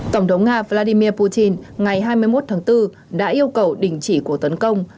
tổng thống nga vladimir putin ngày hai mươi một tháng bốn đã yêu cầu đình chỉ cuộc tấn công